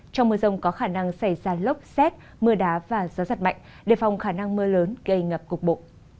trong mưa rông có khả năng xảy ra lốc xét mưa đá và gió giật mạnh đề phòng khả năng mưa lớn gây ngập cục bộ